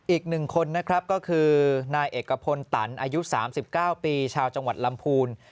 อีก๑คนนะครับก็คือนายเอกพลตันอายุ๓๙ปีชาวจังหวัดลำพูน